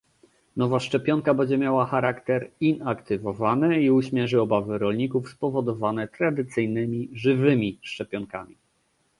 Nowa szczepionka będzie miała charakter "inaktywowany" i uśmierzy obawy rolników spowodowane tradycyjnymi "żywymi" szczepionkami